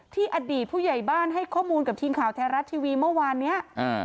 อดีตผู้ใหญ่บ้านให้ข้อมูลกับทีมข่าวไทยรัฐทีวีเมื่อวานเนี้ยอ่า